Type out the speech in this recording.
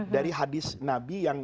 dari hadis nabi yang